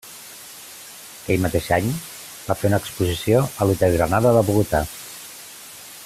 Aquell mateix any, va fer una exposició a l'Hotel Granada de Bogotà.